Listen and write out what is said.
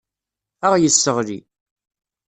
Ad aɣ-yesseɣli.